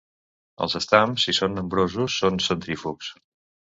Els estams, si són nombrosos, són centrífugs.